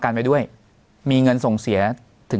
เราเซฟ